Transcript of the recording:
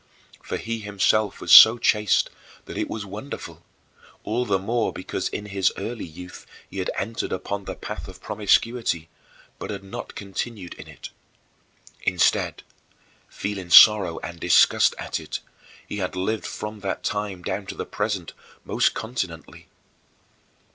For he himself was so chaste that it was wonderful, all the more because in his early youth he had entered upon the path of promiscuity, but had not continued in it. Instead, feeling sorrow and disgust at it, he had lived from that time down to the present most continently.